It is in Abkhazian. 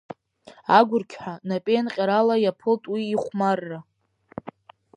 Агәырқьҳәа напеинҟьарыла иаԥылт уи ихәмарра.